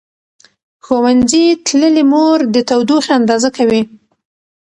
ښوونځې تللې مور د تودوخې اندازه کوي.